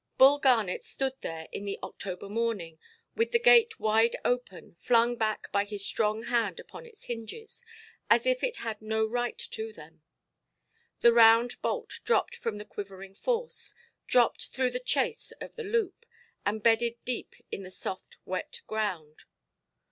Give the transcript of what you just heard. Bull Garnet stood there in the October morning, with the gate wide open, flung back by his strong hand upon its hinges, as if it had no right to them. The round bolt dropped from the quivering force, dropped through the chase of the loop, and bedded deep in the soft, wet ground.